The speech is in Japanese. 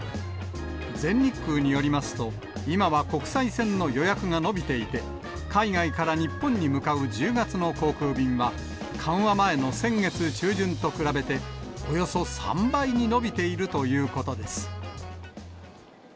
全日空によりますと、今は国際線の予約が伸びていて、海外から日本に向かう１０月の航空便は、緩和前の先月中旬と比べておよそ３倍に伸びているということです。